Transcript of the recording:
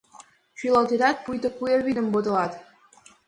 Шӱлалтетат, пуйто куэ вӱдым подылат.